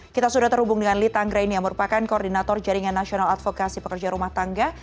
kita sudah terhubung dengan lita anggrain yang merupakan koordinator jaringan nasional advokasi pekerja rumah tangga